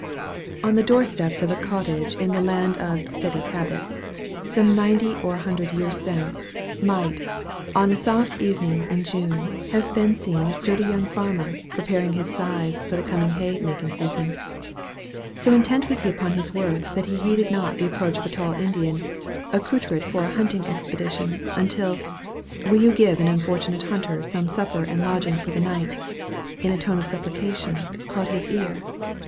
On the door steps of a cottage in the land of "steady habits," some ninety or an hundred years since, might, on a soft evening in June, have been seen a sturdy young farmer, preparing his scythes for the coming hay making season. So intent was he upon his work that he heeded not the approach of a tall Indian, accoutred for a hunting expedition, until, "Will you give an unfortunate hunter some supper and lodging for the night?" in a tone of supplication, caught his ear.